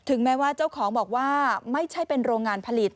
แม้ว่าเจ้าของบอกว่าไม่ใช่เป็นโรงงานผลิต